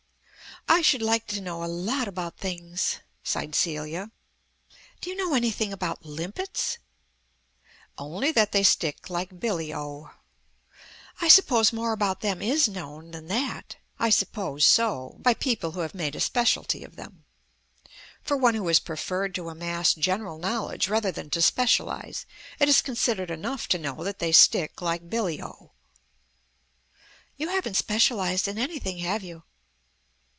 "I should like to know a lot about things," sighed Celia. "Do you know anything about limpets?" "Only that they stick like billy o." "I suppose more about them is known than that?" "I suppose so. By people who have made a specialty of them. For one who has preferred to amass general knowledge rather than to specialize, it is considered enough to know that they stick like billy o." "You haven't specialized in anything, have you?"